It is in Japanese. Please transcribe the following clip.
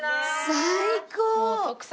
最高！